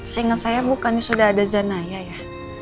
seingat saya bukan sudah ada zanaya ya